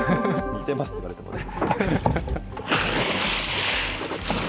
似てますって言われてもね。